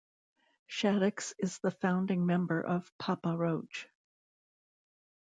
Shaddix is the founding member of Papa Roach.